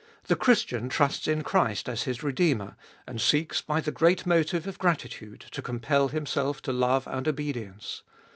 The Christian trusts in Christ as his Redeemer, and seeks, by the great motive of gratitude, to compel himself to love and obedience.